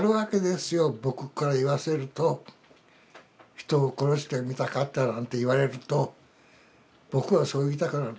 「人を殺してみたかった」なんて言われると僕はそう言いたくなる。